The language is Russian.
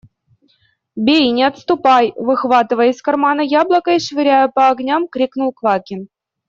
– Бей, не отступай! – выхватывая из кармана яблоко и швыряя по огням, крикнул Квакин.